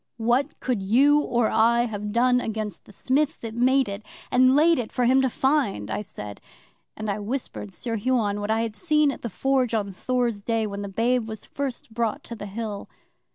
'"What could you or I have done against the Smith that made it and laid it for him to find?" I said, and I whispered Sir Huon what I had seen at the Forge on Thor's Day, when the babe was first brought to the Hill.